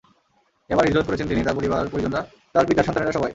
এবার হিজরত করেছেন তিনি, তাঁর পরিবার পরিজনরা, তাঁর পিতার সন্তানেরা সবাই।